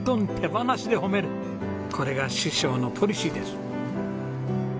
これが師匠のポリシーです。